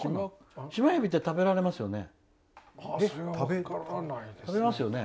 シマヘビって食べられますよね？